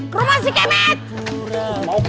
ke rumah si kemet